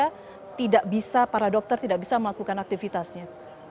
sehingga para dokter tidak bisa melakukan aktivitasnya